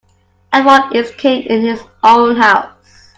Every one is king in his own house.